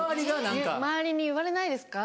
周りに言われないですか？